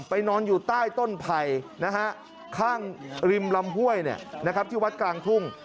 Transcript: นอนอยู่ใต้ต้นไผ่ข้างริมลำห้วยที่วัดกลางทุ่ง